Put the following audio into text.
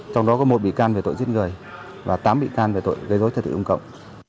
trong đó có một bị can về tội giết người và tám bị can về tội gây dối trật tự công cộng